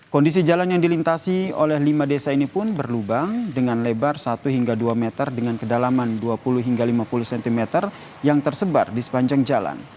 kondisi jalan yang dilintasi oleh lima desa ini pun berlubang dengan lebar satu hingga dua meter dengan kedalaman dua puluh hingga lima puluh cm yang tersebar di sepanjang jalan